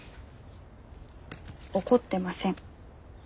怒ってません。